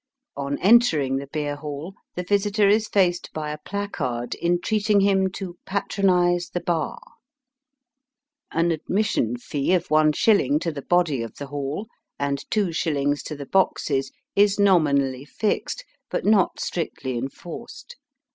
On entering the beer hall the visitor is faced by a placard entreating him to patronize the bar." An admission fee of one shiUing to the body of the hall, and two shillings to the boxes, is nominally fixed, but not strictly enforced.